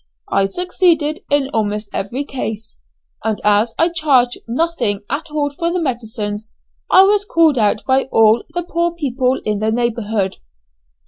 I succeeded in almost every case, and as I charged nothing at all for the medicines, I was called out by all the poor people in the neighbourhood.